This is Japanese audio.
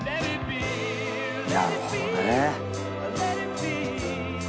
なるほどね。